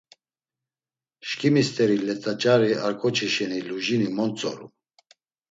Şǩimi st̆eri let̆acari ar ǩoçi şeni, Lujini mo ntzorum.